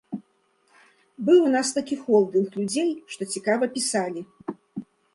Быў у нас такі холдынг людзей, што цікава пісалі.